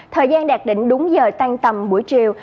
thời gian đạt đỉnh đúng giờ tan tầm buổi chiều